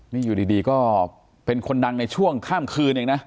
นี่อยู่ดีก็เป็นคนดังในช่วงข้ามคืนเองนะ